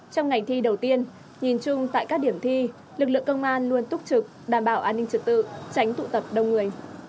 trong ngày thi đầu tiên nhìn chung tại các điểm thi lực lượng công an luôn túc trực đảm bảo an ninh trật tự tránh tụ tập đông người